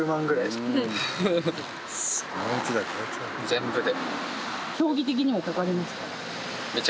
全部で。